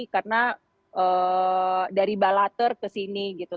karena dari balater ke sini gitu